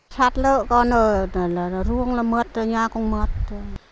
sạt lở con rồi ruộng là mất rồi nhà cũng mất rồi